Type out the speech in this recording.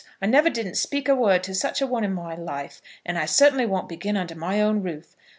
I never didn't speak a word to such a one in my life, and I certainly won't begin under my own roof.